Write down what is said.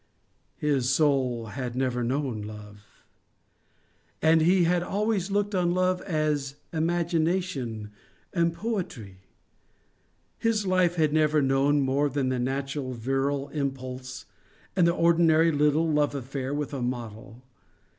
His soul had never known love; and he had always looked on love as imagination and poetry. His life had never known more than the natural virile impulse and the ordinary little love affair with a model.